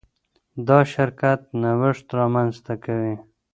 دا شرکت نوښت رامنځته کوي.